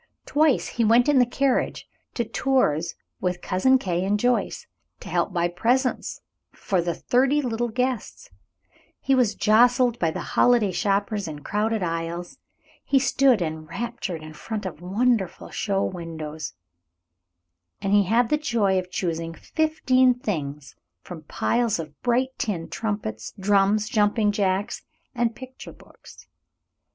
Twice he went in the carriage to Tours with Cousin Kate and Joyce, to help buy presents for the thirty little guests. He was jostled by the holiday shoppers in crowded aisles. He stood enraptured in front of wonderful show windows, and he had the joy of choosing fifteen things from piles of bright tin trumpets, drums, jumping jacks, and picture books.